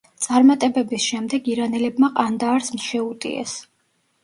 წარმატებების შემდეგ ირანელებმა ყანდაარს შეუტიეს.